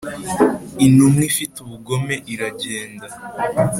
intumwa ifite ubugome iragenda